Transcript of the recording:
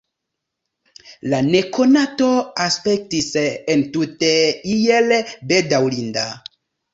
La nekonato aspektis entute iel bedaŭrinda.